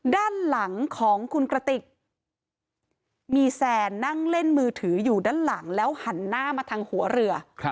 ด้านหลังของคุณกระติกมีแซนนั่งเล่นมือถืออยู่ด้านหลังแล้วหันหน้ามาทางหัวเรือ